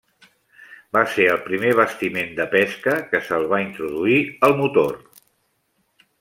Va ser el primer bastiment de pesca que se'l va introduir el motor.